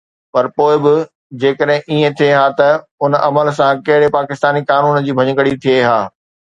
پر پوءِ به جيڪڏهن ائين ٿئي ها ته ان عمل سان ڪهڙي پاڪستاني قانون جي ڀڃڪڙي ٿئي ها؟